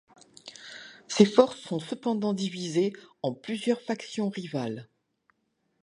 Ces forces sont cependant divisées en plusieurs factions rivales.